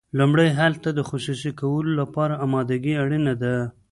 لومړی هلته د خصوصي کولو لپاره امادګي اړینه ده.